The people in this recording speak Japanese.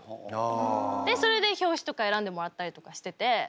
でそれで表紙とか選んでもらったりとかしてて。